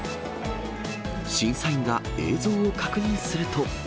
審査員が映像を確認すると。